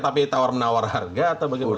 tapi tawar menawar harga atau bagaimana